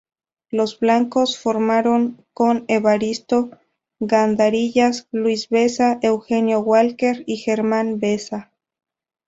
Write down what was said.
Los "Blancos" formaron con Evaristo Gandarillas, Luis Besa, Eugenio Walker y Germán Besa.